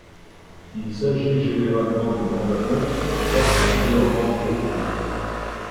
Il s'agit généralement de bandes-annonces particulièrement courtes.